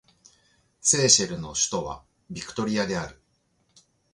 セーシェルの首都はビクトリアである